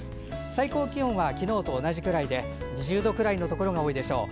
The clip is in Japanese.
最高気温は昨日と同じくらいで２０度くらいのところが多いでしょう。